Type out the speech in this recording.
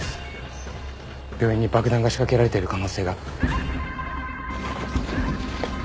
病院に爆弾が仕掛けられてる可能性が。